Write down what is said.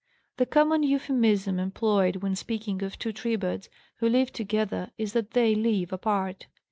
The common euphemism employed when speaking of two tribades who live together is that they 'live apart.'